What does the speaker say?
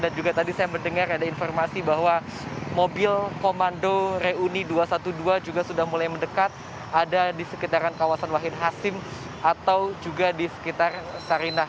dan juga tadi saya mendengar ada informasi bahwa mobil komando reuni dua ratus dua belas juga sudah mulai mendekat ada di sekitaran kawasan wahid hasim atau juga di sekitar sarinah